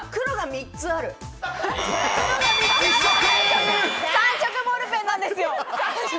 三色ボールペンなんですよ！